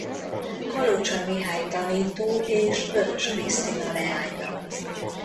Kalocsa Mihály tanító és Vörös Krisztina leánya.